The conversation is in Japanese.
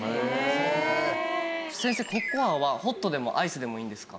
先生ココアはホットでもアイスでもいいんですか？